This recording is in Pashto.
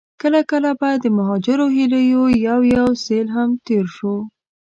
کله کله به د مهاجرو هيليو يو يو سيل هم تېر شو.